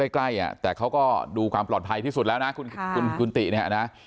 ใกล้แต่เขาก็ดูปลอดภัยที่สุดนะคุณตรี